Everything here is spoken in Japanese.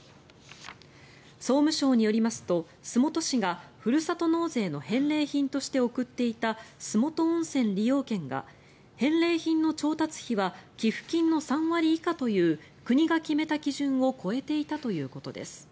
総務省によりますと洲本市がふるさと納税の返礼品として送っていた洲本温泉利用券が返礼品の調達費は寄付金の３割以下という国が決めた基準を超えていたということです。